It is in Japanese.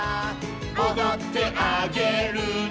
「おどってあげるね」